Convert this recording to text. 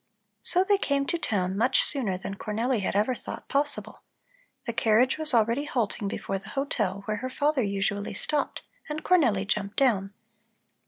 So they came to town much sooner than Cornelli had ever thought possible. The carriage was already halting before the hotel where her father usually stopped, and Cornelli jumped down.